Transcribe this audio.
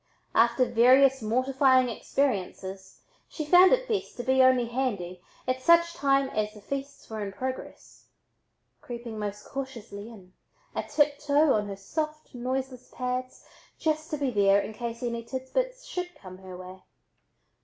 After various mortifying experiences she found it best to be "only handy" at such times as the feasts were in progress, creeping most cautiously in, a tiptoe on her soft noiseless pads, just to be there in case any tidbits should come her way.